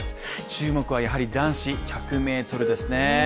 注目はやはり男子１００ｍですね